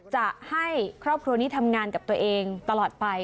จะให้ครอบครัวนี้ทำงานกับตัวเองตลอดไป